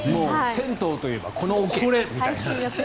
銭湯といえばこの桶みたいな。